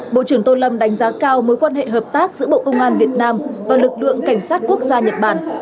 bộ trưởng tô lâm đánh giá cao mối quan hệ hợp tác giữa bộ công an việt nam và lực lượng cảnh sát quốc gia nhật bản